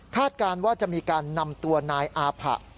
การว่าจะมีการนำตัวนายอาผะ